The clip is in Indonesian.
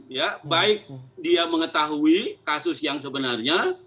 ya baik dia mengetahui kasus yang sebenarnya